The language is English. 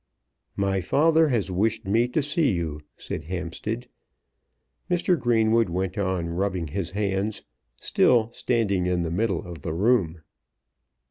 "My father has wished me to see you," said Hampstead. Mr. Greenwood went on rubbing his hands, still standing in the middle of the room.